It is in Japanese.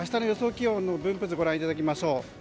気温の分布図をご覧いただきましょう。